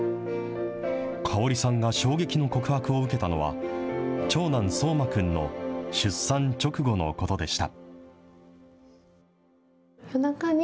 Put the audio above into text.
香織さんが衝撃の告白を受けたのは、長男、奏真くんの出産直後のことでした。